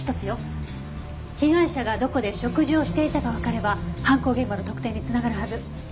被害者がどこで食事をしていたかわかれば犯行現場の特定に繋がるはず。